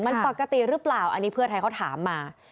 มันปกติหรือเปล่าอันนี้เพื่อไทยเขาถามมา